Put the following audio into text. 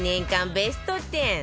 ベスト１０